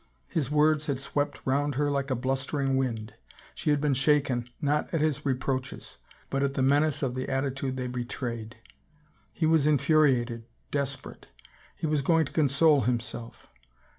His words had swept round her like a blustering wind; she had been shaken, not at his reproaches, but at the menace of the attitude they betrayed. He was infuri ated, desperate ... he was going to console himself.